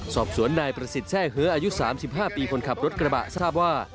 สอบสวนนายประสิทธิ์แทร่เฮ้ออายุ๓๕ปีคนขับรถกระบะทราบว่า